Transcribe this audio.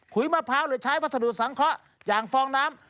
มะพร้าวหรือใช้วัสดุสังเคราะห์อย่างฟองน้ำ